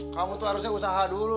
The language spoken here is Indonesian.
kamu tuh harusnya usaha dulu